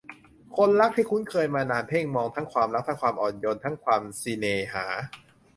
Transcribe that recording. คนรักที่คุ้นเคยมานานเพ่งมอง ทั้งความรัก ทั้งความอ่อนโยน ทั้งความสิเน่หา